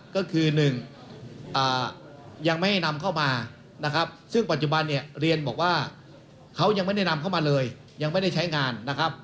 ก็คือ๑ยังไม่ให้นำเข้ามานะครับซึ่งปัจจุบันเนี่ยเรียนบอกว่าเขายังไม่ได้นำเข้ามาเลยยังไม่ได้ใช้งานนะครับ